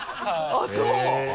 あっそう。